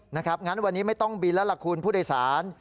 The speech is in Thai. นะครับวันนี้ไม่ต้องบินแล้วล่ะครับผู้โดยสาร